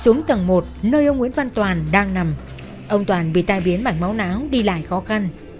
xuống tầng một nơi ông nguyễn văn toàn đang nằm ông toàn bị tai biến mảnh máu não đi lại khó khăn